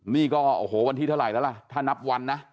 นี่ก็โอ้โหวันที่เท่าไหร่แล้วล่ะถ้านับวันนะ